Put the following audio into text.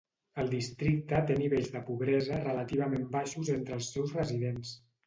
El districte té nivells de pobresa relativament baixos entre els seus residents.